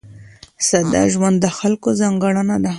ساده ژوند د خلکو ځانګړنه ده.